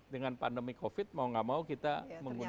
dengan pandemi covid mau gak mau kita menggunakan